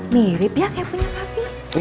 mirip ya kayak punya papi